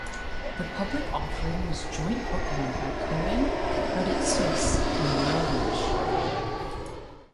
The public offering was joint bookrun by Cowen, Credit Suisse and Merrill Lynch.